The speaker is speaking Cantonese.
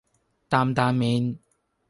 擔擔麵